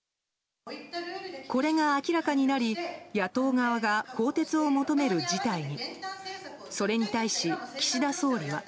これが明らかになり野党側が更迭を求める事態に。